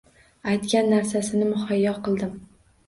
Aytgan narsasini muhayyo qildim